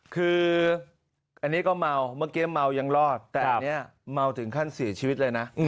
คืออันนี้ก็เมาเมื่อกี้เมายังรอดแต่อันนี้เมาถึงขั้นเสียชีวิตเลยนะ